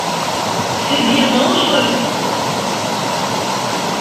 C’est bien dangereux !